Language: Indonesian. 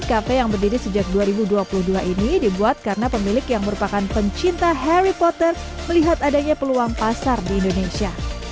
kafe yang berdiri sejak dua ribu dua puluh dua ini dibuat karena pemilik yang merupakan pencinta harry potter melihat adanya peluang pasar di indonesia